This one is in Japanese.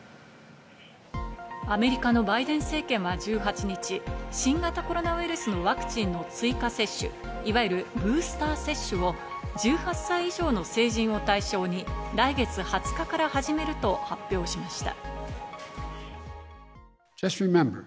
アメリカのバイデン政権は１８日、新型コロナウイルスのワクチンの追加接種、いわゆるブースター接種を１８歳以上の成人を対象に、来月２０日から始めると発表しました。